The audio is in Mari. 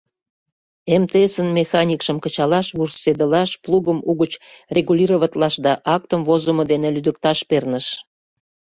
МТС-ын механикшым кычалаш, вурседылаш, плугым угыч регулироватлаш да актым возымо дене лӱдыкташ перныш.